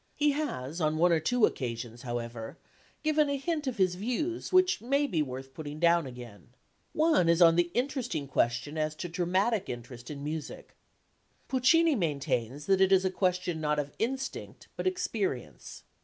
He has on one or two occasions, however, given a hint of his views which may be worth putting down again. One is on the interesting question as to dramatic instinct in music. Puccini maintains that it is a question not of instinct but experience.